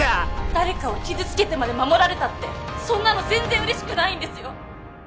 誰かを傷つけてまで守られたってそんなの全然嬉しくないんですよ。